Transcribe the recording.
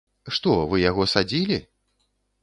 Што, вы яго садзілі?